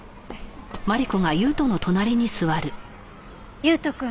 悠斗くん